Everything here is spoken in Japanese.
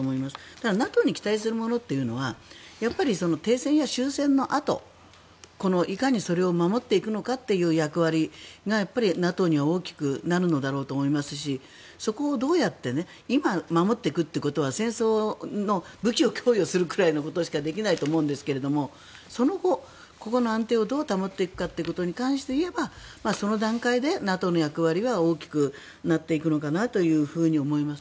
ただ、ＮＡＴＯに期待するものというのはやっぱり停戦や終戦のあといかにそれを守っていくのかという役割がＮＡＴＯには大きくなるのだろうと思いますしそこをどうやって今、守っていくということは戦争の武器を供与するくらいのことしかできないと思うんですがその後、ここの安定をどう保っていくかということに関して言えばその段階でＮＡＴＯの役割は大きくなっていくのかなと思います。